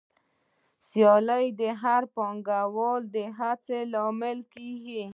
سیالي د هر پانګوال د هڅې لامل کېږي